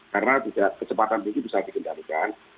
karena juga kecepatan ini bisa dikendalikan